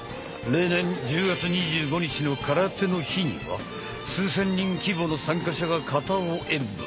例年１０月２５日の「空手の日」には数千人規模の参加者が形を演武。